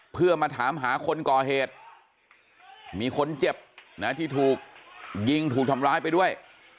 เพื่อมาถามหาคนก่อเหตุมีคนเจ็บนะที่ถูกยิงถูกทำร้ายไปด้วย